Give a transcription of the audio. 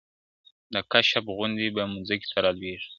د کشپ غوندي به مځکي ته رالویږي !.